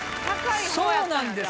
そうなんですよ。